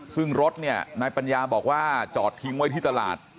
ซึ่งรถเนี่ยนายปัญญาบอกว่าจอดทิ้งไว้ที่ตลาด